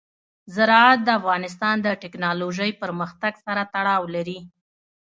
زراعت د افغانستان د تکنالوژۍ پرمختګ سره تړاو لري.